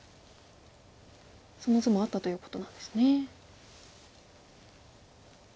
その図もあったということなんですね。